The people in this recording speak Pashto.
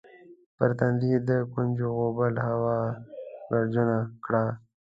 پر تندي یې د ګونځو غوبل هوا ګردجنه کړه